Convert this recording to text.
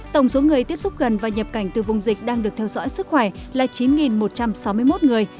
tổng số người tiếp xúc gần và nhập cảnh từ vùng dịch đang được theo dõi sức khỏe là chín một trăm sáu mươi một người